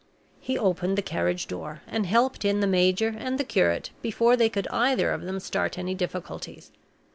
He opened the carriage door, and helped in the major and the curate before they could either of them start any difficulties.